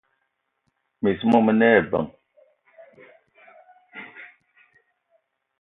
Miss mo mene ebeng.